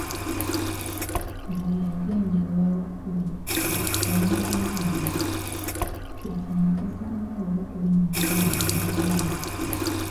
We yagenda ew'abakulu, bamugamba nti, Kye kino ekivaamu w'oba toli mwenkanya ewa muganda wo.